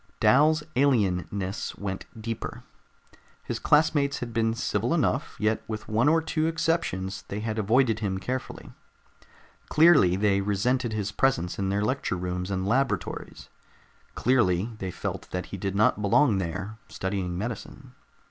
Dal's alienness went deeper. His classmates had been civil enough, yet with one or two exceptions, they had avoided him carefully. Clearly they resented his presence in their lecture rooms and laboratories. Clearly they felt that he did not belong there, studying medicine.